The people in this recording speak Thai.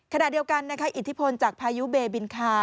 ขณะเดียวกันนะคะอิทธิพลจากพายุเบบินคา